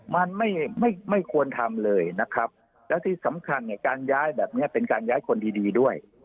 มันไม่ไม่ควรทำเลยนะครับแล้วที่สำคัญเนี่ยการย้ายแบบนี้เป็นการย้ายคนดีด้วย